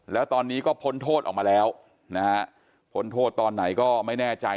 แล้วตอนนี้ก็พ้นโทษออกมาแล้วนะฮะพ้นโทษตอนไหนก็ไม่แน่ใจ